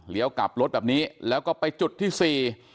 กลับรถแบบนี้แล้วก็ไปจุดที่สี่